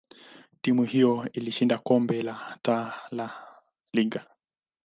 timu hiyo ilishinda kombe la Taa da Liga.